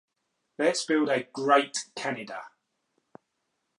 "Let's build a "great" Canada!